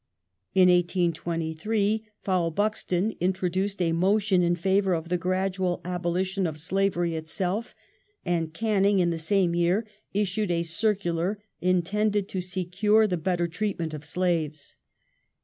In 1828 Fowell Buxton introduced a motion in favour of the gradual abolition of slavery itself, and Canning, in the same year, issued a circular intended to secure the better treatment of slaves.